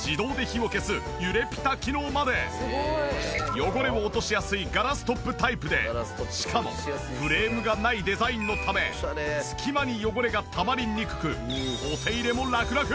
汚れを落としやすいガラストップタイプでしかもフレームがないデザインのため隙間に汚れがたまりにくくお手入れもラクラク！